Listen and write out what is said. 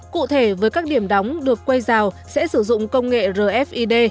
cụ thể với các điểm đóng được quay rào sẽ sử dụng công nghệ rfid